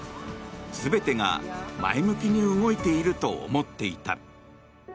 全てが前向きに動いていると思っていた。